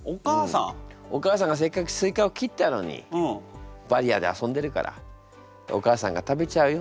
お母さんがせっかくスイカを切ったのにバリアーで遊んでるからお母さんが食べちゃうよっていうね。